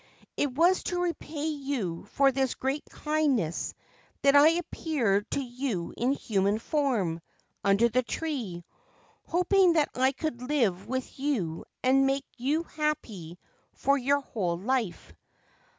It was to repay you for this great kindness that I appeared to you in human form under the tree, hoping that I could Ancient Tales and Folklore of Japan live with you and make you happy for your whole life.